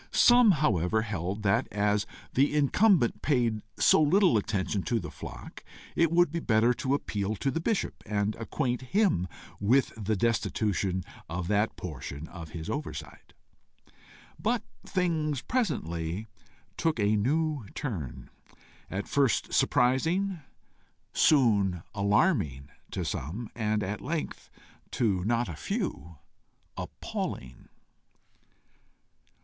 Some however held that, as the incumbent paid so little attention to his flock, it would be better to appeal to the bishop, and acquaint him with the destitution of that portion of his oversight. But things presently took a new turn, at first surprising, soon alarming to some, and at length, to not a few, appalling.